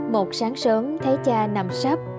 một sáng sớm thấy cha nằm sắp